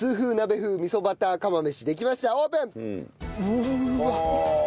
うーわっ！